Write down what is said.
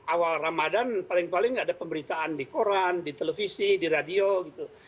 awal ramadan paling paling ada pemberitaan di koran di televisi di radio gitu